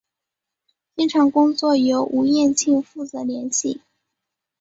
经常工作由吴衍庆负责联系。